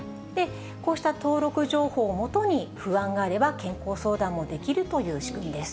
こうした登録情報を基に、不安があれば健康相談もできるという仕組みです。